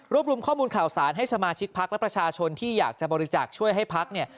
รวมข้อมูลข่าวสารให้สมาชิกพักและประชาชนที่อยากจะบริจาคช่วยให้พักเนี่ย